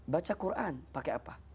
baca quran pakai apa